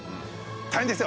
大変ですよ。